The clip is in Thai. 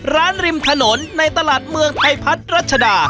ริมถนนในตลาดเมืองไทยพัฒน์รัชดา